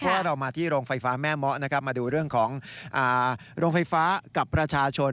เพราะว่าเรามาที่โรงไฟฟ้าแม่เมาะนะครับมาดูเรื่องของโรงไฟฟ้ากับประชาชน